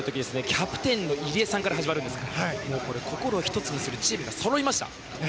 キャプテンの入江さんから始めるんですから心を１つにするチームがそろいました。